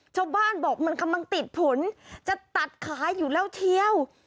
ชาวบ้านบอกมันกำลังติดผลจะตัดขายอยู่แล้วเชียว